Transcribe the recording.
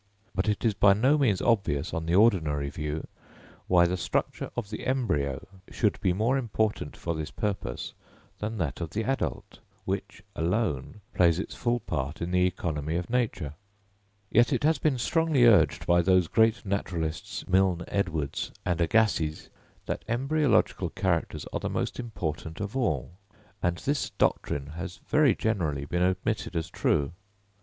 But it is by no means obvious, on the ordinary view, why the structure of the embryo should be more important for this purpose than that of the adult, which alone plays its full part in the economy of nature. Yet it has been strongly urged by those great naturalists, Milne Edwards and Agassiz, that embryological characters are the most important of all; and this doctrine has very generally been admitted as true.